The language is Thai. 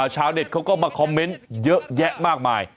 ชาวเน็ตเขาก็มาคอมเมนต์เยอะแยะมากมาย